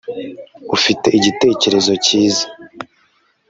ufite igitekerezo cyiza